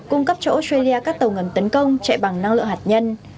cung cấp cho australia các tàu ngầm tấn công chạy bằng năng lượng hạt nhân